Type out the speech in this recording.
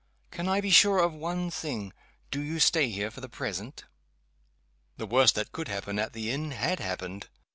Can I be sure of one thing do you stay here for the present?" The worst that could happen at the inn had happened.